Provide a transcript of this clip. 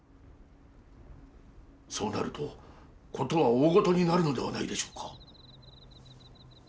そうなると事は大ごとになるのではないでしょうか。